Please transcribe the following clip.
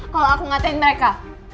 kalau aku ngatain mereka